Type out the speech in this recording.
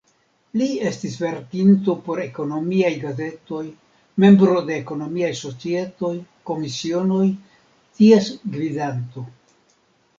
Li estis verkinto por ekonomiaj gazetoj, membro de ekonomiaj societoj, komisionoj, ties gvidanto.